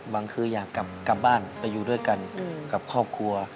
บางทีอยากกลับบ้านไปอยู่ด้วยกันกับครอบครัว